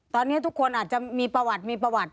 ตอนนี้ทุกคนอาจจะมีประวัติมีประวัติ